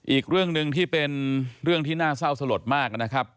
อีกเรื่องหนึ่งที่เป็นเรื่องที่น่าเศร้าสลดมากนะครับ